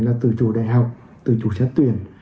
là từ chủ đại học từ chủ xét tuyển